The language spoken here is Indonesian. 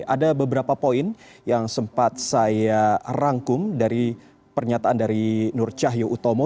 ada beberapa poin yang sempat saya rangkum dari pernyataan dari nur cahyo utomo